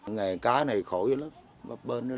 ngày cá này khổ dữ lắm bắp bên đó luôn